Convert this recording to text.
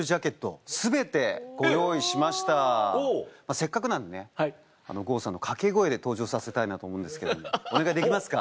せっかくなんでね郷さんの掛け声で登場させたいなと思うんですけどもお願いできますか？